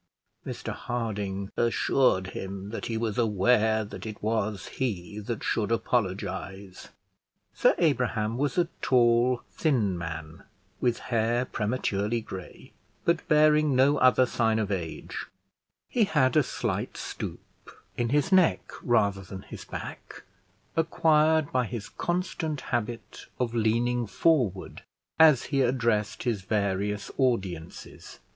Mr Harding assured him that he was aware that it was he that should apologise. Sir Abraham was a tall thin man, with hair prematurely gray, but bearing no other sign of age; he had a slight stoop, in his neck rather than his back, acquired by his constant habit of leaning forward as he addressed his various audiences.